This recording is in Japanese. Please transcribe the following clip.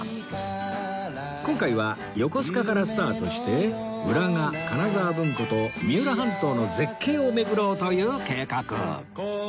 今回は横須賀からスタートして浦賀金沢文庫と三浦半島の絶景を巡ろうという計画